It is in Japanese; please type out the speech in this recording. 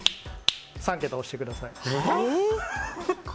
３桁押してください。